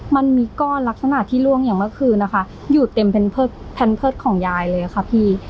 มันมีก้อนลักษณะที่ล่วงอย่างเมื่อคืนนะคะอยู่เต็มแพนเพิร์ตของยายเลยค่ะพี่